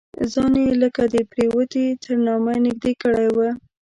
ځان یې لکه د پروتې تر نامه نږدې کړی و.